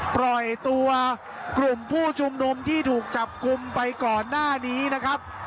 ปล่อยตัวกลุ่มผู้ชุมนุมที่ถูกจับกลุ่มไปก่อนหน้านี้นะครับ